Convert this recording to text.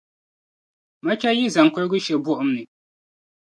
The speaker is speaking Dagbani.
Machɛle yi zaŋ kurigu she buɣim ni.